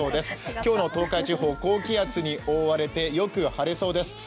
今日の東海地方、高気圧に覆われてよく晴れそうです。